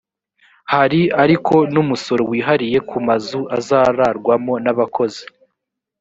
hari ariko n umusoro wihariye ku mazu ararwamo n abakozi